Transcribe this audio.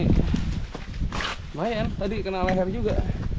lumayan tadi kena leher juga